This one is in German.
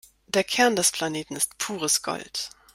Der Kern des Planeten ist pures Gold.